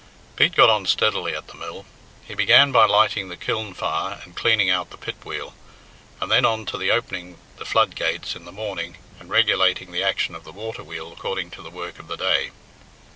Pete got on steadily at the mill. He began by lighting the kiln fire and cleaning out the pit wheel, and then on to the opening the flood gates in the morning and regulating the action of the water wheel according to the work of the day.